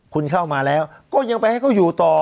คุณเข้ามาแล้วก็ยังไปให้เขาอยู่ต่อ